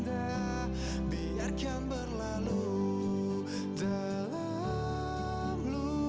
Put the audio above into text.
lu gak tepatin janji lu